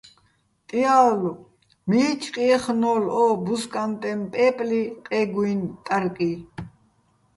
ტიალო̆, მიჩკ ჲეხნო́ლო̆ ო ბუზკანტეჼ პე́პლი ყე́გუჲნი ტარკი.